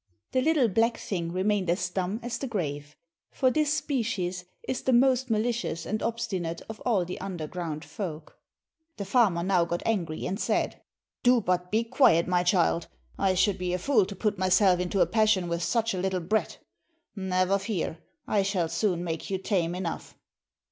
The little black thing remained as dumb as the grave, for this species is the most malicious and obstinate of all the underground folk. The farmer now got angry, and said "Do but be quiet, my child. I should be a fool to put myself into a passion with such a little brat. Never fear, I shall soon make you tame enough."